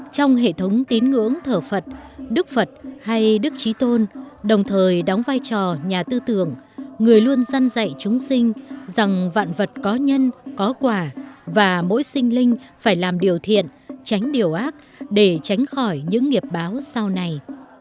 trong hệ thống tín ngưỡng thở phật đức phật hay đức trí tôn đồng thời đóng vai trò nhà tư tưởng người luôn dân dạy chúng sinh rằng vạn vật có nhân có quả và mỗi sinh linh phải làm điều thiện tránh điều ác để tránh khỏi những nghiệp báo sau này